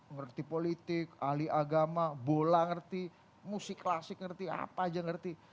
ngerti politik ahli agama bola ngerti musik klasik ngerti apa aja ngerti